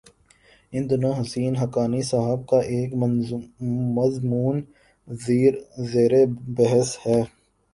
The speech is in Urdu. ان دنوں حسین حقانی صاحب کا ایک مضمون زیر بحث ہے۔